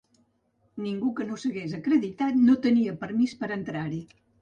Ningú que no s’hagués acreditat no tenia permís per a entrar-hi.